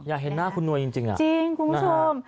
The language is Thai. อยากเห็นหน้าคุณนวยจริงอ่ะจริงคุณผู้ชม